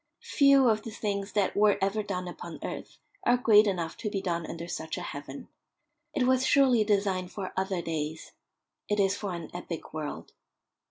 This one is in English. Few of the things that were ever done upon earth are great enough to be done under such a heaven. It was surely designed for other days. It is for an epic world.